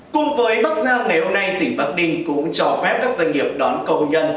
cùng với bắc giang ngày hôm nay tỉnh bắc ninh cũng cho phép các doanh nghiệp đón công nhân